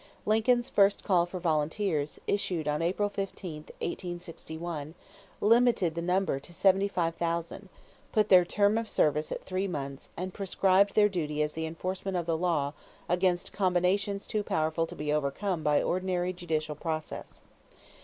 Lincoln's first call for volunteers, issued on April 15, 1861, limited the number to 75,000, put their term of service at three months, and prescribed their duty as the enforcement of the law against combinations too powerful to be overcome by ordinary judicial process.